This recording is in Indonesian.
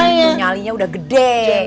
nyali nyalinya udah gede